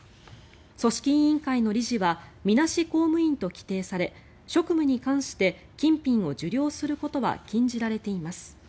組織委員会の理事はみなし公務員と規定され職務に関して金品を受領することは禁じられています。